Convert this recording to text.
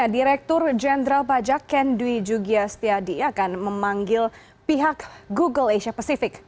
direktur jenderal pajak ken dwi jugya setiadi akan memanggil pihak google asia pacific